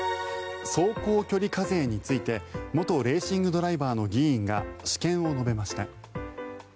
走行距離課税について元レーシングドライバーの議員が私見を述べました。